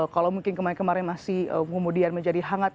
kalau mungkin kemarin kemarin masih kemudian menjadi hangat